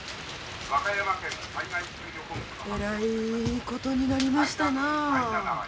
えらいことになりましたなあ。